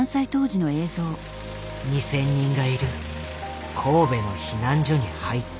２，０００人がいる神戸の避難所に入った。